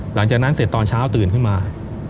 หลังจากนั้นเสร็จตอนเช้าตื่นขึ้นมา